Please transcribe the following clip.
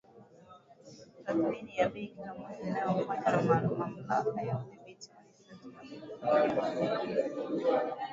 tathmini ya bei kila mwezi inayofanywa na Mamlaka ya Udhibiti wa Nishati na Petroli Aprili kumi na nne